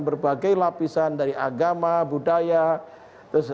berbagai lapisan dari agama budaya